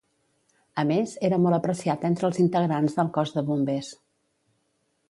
A més, era molt apreciat entre els integrants del Cos de Bombers.